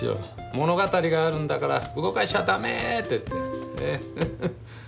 「物語があるんだから動かしちゃだめ！」って言って。